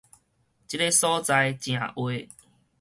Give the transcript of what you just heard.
這个所在誠狹